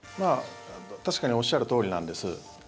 確かにおっしゃるとおりなんです。